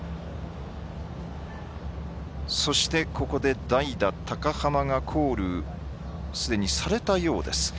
そしてここで代打高濱がコールすでにされたようです。